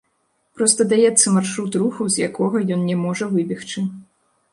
Проста даецца маршрут руху, з якога ён не можа выбегчы.